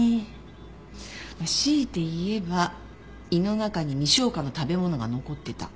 強いて言えば胃の中に未消化の食べ物が残ってた。